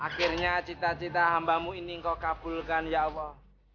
akhirnya cita cita hambamu ini engkau kabulkan ya allah